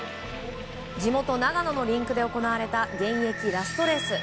地元・長野のリンクで行われた現役ラストレース。